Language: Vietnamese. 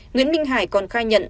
nguyễn minh hải còn khai nhận